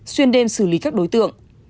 xuyên đêm xử lý các đối tượng